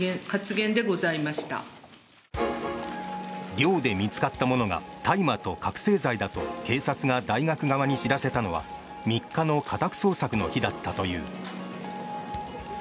寮で見つかったものが大麻と覚醒剤だと警察が大学側に知らせたのは３日の家宅捜索の日だったという。